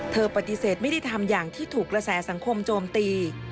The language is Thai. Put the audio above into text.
ปฏิเสธไม่ได้ทำอย่างที่ถูกกระแสสังคมโจมตี